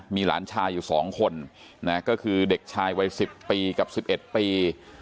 มีหลานชายอยู่๒คนก็คือเด็กชายวัย๑๐ปีกับ๑๑ปี